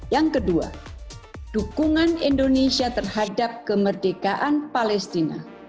yang kedua dukungan indonesia terhadap kemerdekaan palestina